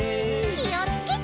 きをつけて。